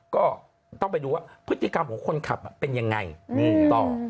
ก็ต้องไปดูว่าพฤติกรรมของคนขับเป็นยังไงนี่ต่อ